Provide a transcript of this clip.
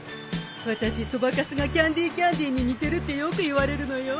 私そばかすが『キャンディ・キャンディ』に似てるってよく言われるのよ。